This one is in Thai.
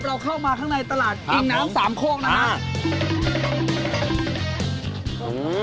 เราเข้ามาข้างในตลาดอิงน้ำสามโคกนะครับ